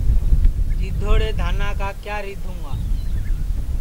ریدھوڑے دھانا کا کِیا ریدھُوں گا